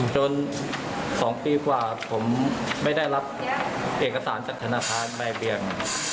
๒ปีกว่าผมไม่ได้รับเอกสารจากธนาคารบ่ายเบียง